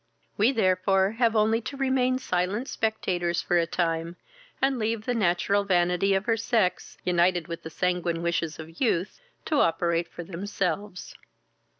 We, therefore, have only to remain silent spectators for a time, and leave the natural vanity of her sex, united with the sanguine wishes of youth, to operate for themselves.